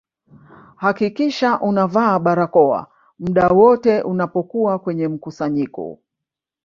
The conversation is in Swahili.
hakikisha unavaa barakoa muda wote unapokuwa kwenye mkusanyiko